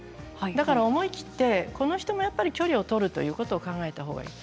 思い切って、この人もやっぱり距離を取るということを考えたほうがいい。